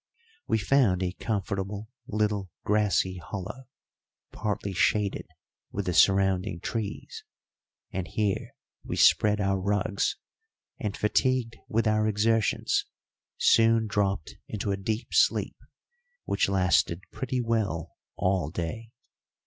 We found a comfortable little grassy hollow, partly shaded with the surrounding trees, and here we spread our rugs, and, fatigued with our exertions, soon dropped into a deep sleep which lasted pretty well all day.